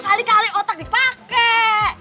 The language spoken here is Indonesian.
kali kali otak dipakai